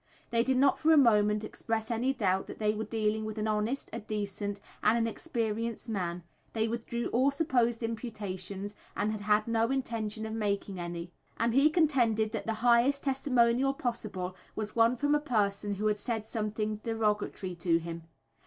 They did not for a moment express any doubt that they were dealing with an honest, a decent, and an experienced man, they withdrew all supposed imputations, and had had no intention of making any; and he contended that the highest testimonial possible was one from a person who had said something derogatory to him.